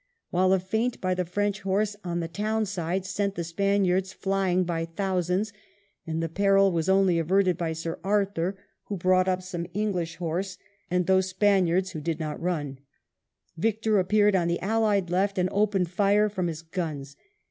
While a feint by the French horse on the town side sent the Spaniards flying by thousands, and the peril was only averted by Sir Arthur, who brought up some English horse and those Spaniards who did not run, Victor ap peared on the allied left^ and opened fire from his guns.